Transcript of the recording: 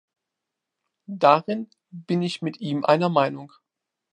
Darin bin ich mit ihm einer Meinung.